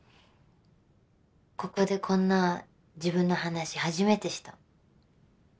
ここでこんな自分の話初めてした。